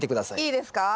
いいですか？